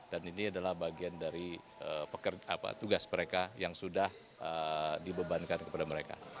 dan ini adalah bagian dari tugas mereka yang sudah dibebankan kepada mereka